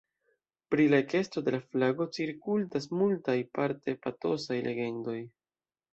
Pri la ekesto de la flago cirkultas multaj, parte patosaj legendoj.